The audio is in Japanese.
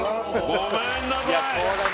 ごめんなさい